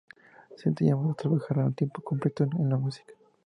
Se sienten llamados a trabajar a tiempo completo en la música.